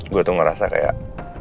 gue tuh ngerasa kayak